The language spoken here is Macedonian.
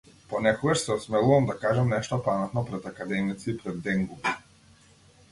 Понекогаш се осмелувам да кажам нешто паметно пред академици и пред денгуби.